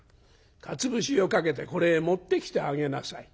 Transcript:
かつ節をかけてこれへ持ってきてあげなさい」。